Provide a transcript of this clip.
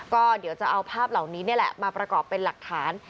ก็เดี๋ยวจะเอาภาพเหล่านี้นี่แหละมาประกอบเป็นหลักฐาน